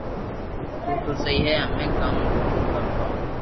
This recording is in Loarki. تو تو سھي ھي ھمي ڪاو ر ھگو